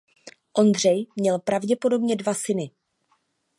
Ondřej měl pravděpodobně dva syny.